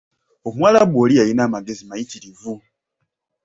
Omuwarabu oli yalina amagezi mayitirivu